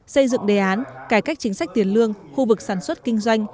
xây dựng đề án cải cách chính sách tiền lương khu vực sản xuất kinh doanh